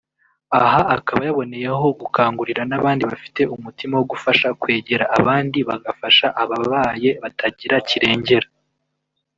aha akaba yaboneyeho gukangurira n'abandi bafite umutima wo gufasha kwegera abandi bagafasha ababaye batagira kirengera